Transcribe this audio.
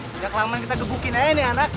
sejak lama kita gebukin aja nih anak